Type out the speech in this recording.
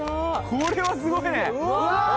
これはすごいねうわ！